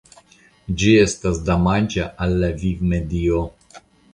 Ĝi estas damaĝa al la vivmedio.